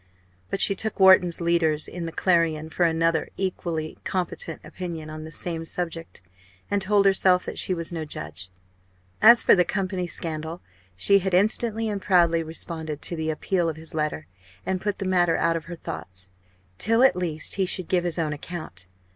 But she took Wharton's "leaders" in the Clarion for another equally competent opinion on the same subject; and told herself that she was no judge. As for the Company scandal, she had instantly and proudly responded to the appeal of his letter, and put the matter out of her thoughts, till at least he should give his own account.